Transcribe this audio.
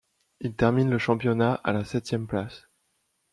Il termine le championnat à la septième place.